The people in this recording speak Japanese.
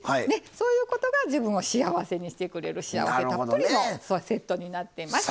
そういうことが自分を幸せにしてくれる幸せたっぷりのセットになってます。